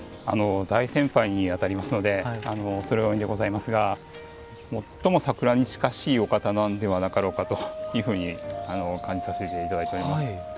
大先輩にあたりますので恐れ多いんでございますが最も桜に近しいお方なのではなかろうかというふうに感じさせていただいております。